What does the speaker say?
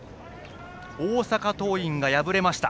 大阪桐蔭が敗れました。